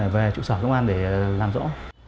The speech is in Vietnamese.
về trụ sở công an để làm rõ